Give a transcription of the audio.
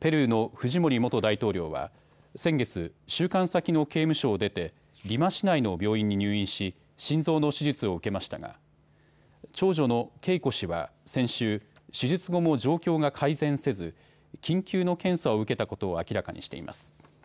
ペルーのフジモリ元大統領は先月、収監先の刑務所を出てリマ市内の病院に入院し心臓の手術を受けましたが長女のケイコ氏は先週、手術後も状況が改善せず緊急の検査を受けたことを明らかにしています。